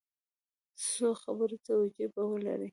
څو خبري توجیې به ولري.